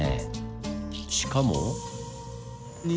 しかも。